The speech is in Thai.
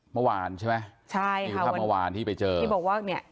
เมื่อวานใช่ไหมใช่ค่ะคือภาพเมื่อวานที่ไปเจอที่บอกว่าเนี่ย